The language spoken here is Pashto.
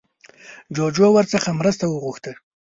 جوجو ورڅخه مرسته وغوښته